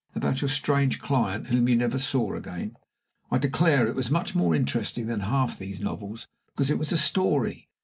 about your strange client, whom you never saw again: I declare it was much more interesting than half these novels, because it was a story.